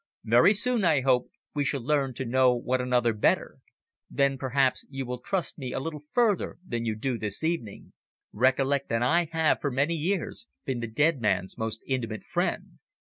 Very soon, I hope, we shall learn to know one another better, then perhaps you will trust me a little further than you do this evening. Recollect that I have for many years been the dead man's most intimate friend."